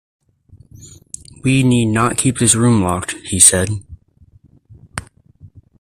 "We need not keep this room locked," he said.